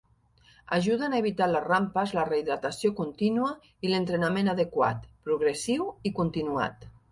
Ajuden a evitar les rampes la rehidratació contínua i l'entrenament adequat, progressiu i continuat.